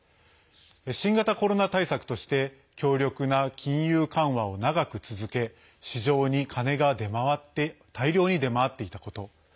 新型コロナ対策として強力な金融緩和を長く続け市場にカネが大量に出回っていたこと。